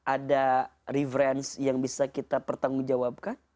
ada reverence yang bisa kita pertanggung jawabkan